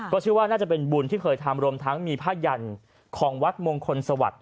เชื่อว่าน่าจะเป็นบุญที่เคยทำรวมทั้งมีผ้ายันของวัดมงคลสวัสดิ